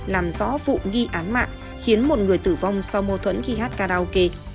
làm rõ vụ nghi án mạng khiến một người tử vong sau mô thuẫn khi hát karaoke